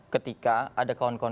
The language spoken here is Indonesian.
ketika ada kawan kawan kita yang bilang